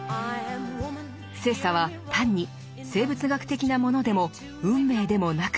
性差は単に生物学的なものでも運命でもなく